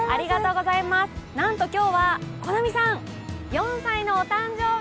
なんと今日はこなみさん、４歳のお誕生日。